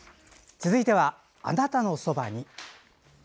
続いては「あなたのそばに」。